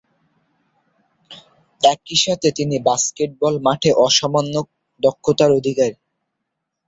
একই সাথে তিনি বাস্কেটবল মাঠে অসামান্য দক্ষতার অধিকারী।